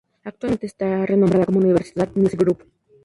Actualmente esta renombrada como Universal Music Group.